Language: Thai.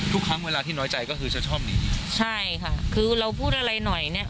ทุกครั้งเวลาที่น้อยใจก็คือจะชอบหนีใช่ค่ะคือเราพูดอะไรหน่อยเนี้ย